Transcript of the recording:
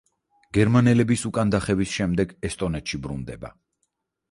გერმანელების უკან დახევის შემდეგ ესტონეთში ბრუნდება.